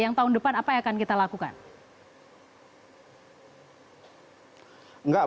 yang tahun depan apa yang akan kita lakukan